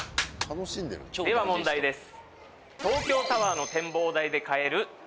では問題です。